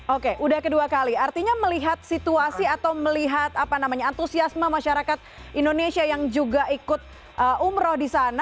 oke udah kedua kali artinya melihat situasi atau melihat apa namanya antusiasma masyarakat indonesia yang juga ikut umroh disana